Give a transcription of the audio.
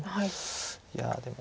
いやでも。